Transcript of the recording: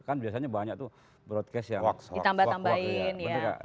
kan biasanya banyak tuh broadcast yang ditambah tambahin